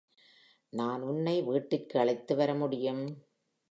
நான் உன்னை வீட்டிற்கு அழைத்து வர முடியும்.